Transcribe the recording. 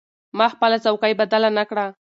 ما خپله څوکۍ بدله نه کړه.